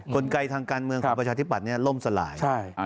กลไกรทางการเมืองของประชาตินิปัตย์เนี่ยล่มสลาย